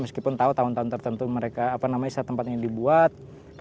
meskipun tahu tahun tahun tertentu mereka apa namanya saat tempat yang dibuat